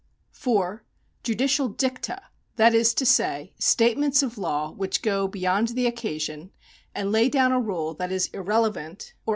^ (4) Judicial dicta, that is to say, statements of law which go beyond the occasion, and lay down a rule that is irrelevant 1 Castro X.